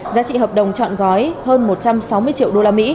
giá trị hợp đồng chọn gói hơn một trăm sáu mươi triệu usd